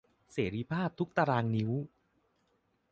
เสรีภาพทุกตารางนิ้ว